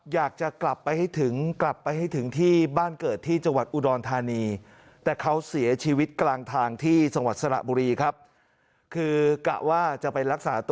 อยากจะกลับไปให้ถึงที่บ้านเกิดที่จังหวัดอุดรธานี